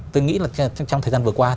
tôi nghĩ trong thời gian vừa qua